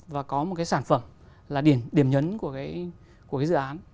và có một cái sản phẩm là điểm điểm nhấn của cái dự án